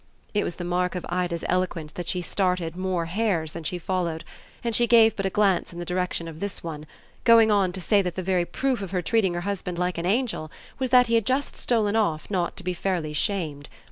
It was the mark of Ida's eloquence that she started more hares than she followed, and she gave but a glance in the direction of this one; going on to say that the very proof of her treating her husband like an angel was that he had just stolen off not to be fairly shamed.